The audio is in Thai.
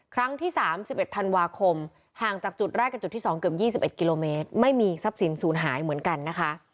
ครั้งที่๓๑ธันวาคมห่างจากจุดแรกกับจุดที่๒เกือบ๒๑กิโลเมตรไม่มีทรัพย์สินศูนย์หายเหมือนกันนะคะ